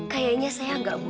kayaknya saya gak butuh penembak